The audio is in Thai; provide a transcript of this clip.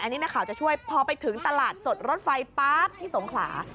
อันนี้นักข่าวจะช่วยพอไปถึงตลาดสดรถไฟป๊าบที่สงขลา